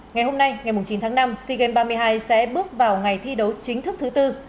ngày hôm nay ngày chín tháng năm sea games ba mươi hai sẽ bước vào ngày thi đấu chính thức thứ tư